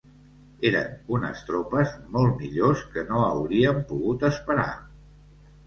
Eren unes tropes molt millors que no hauríem pogut esperar.